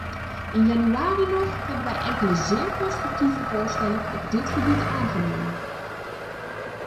In januari nog hebben wij enkele zeer constructieve voorstellen op dit gebied aangenomen.